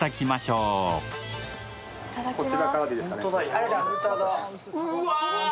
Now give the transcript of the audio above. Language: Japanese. うわ！